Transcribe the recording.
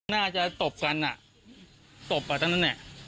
น่าจะตบกันน่ะตบอ่ะท่านนะเนี่ย